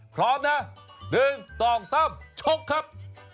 พร้อมนะหนึ่งสองสามชกครับ